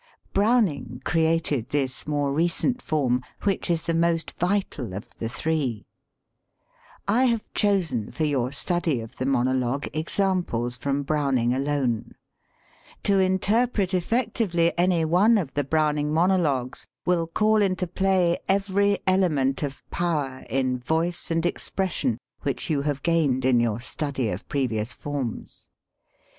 Browning created this more recent form, which is the most vital of the three. I have chosen for your study of 202 DRAMATIC MONOLOGUE AND PLAY the monologue examples from Browning alone. To interpret effectively any one of the Brown ing monologues will call into play every ele ment of power in voice and expression which you have gained in your study of previous forms.